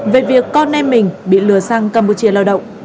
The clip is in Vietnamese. về việc con em mình bị lừa sang campuchia lao động